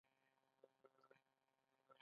هغه د ملک شمس الدین څخه یاغي شوی وو.